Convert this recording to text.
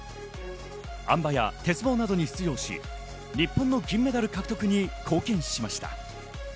あん馬や鉄棒などに出場し、日本の銀メダル獲得に貢献しました。